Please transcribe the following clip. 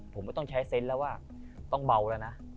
ผมก็ต้องใช้เซนต์แล้วว่าต้องเบาแล้วนะ